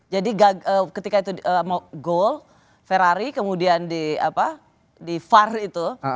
jadi ketika itu goal ferrari kemudian di far itu